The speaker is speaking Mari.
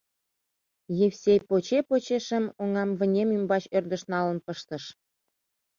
Евсей поче-поче шым оҥам вынем ӱмбач ӧрдыш налын пыштыш.